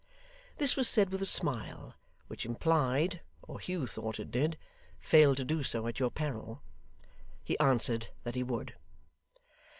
This was said with a smile which implied or Hugh thought it did 'fail to do so at your peril!' He answered that he would.